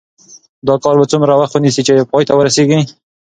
دا کار به څومره وخت ونیسي چې پای ته ورسیږي؟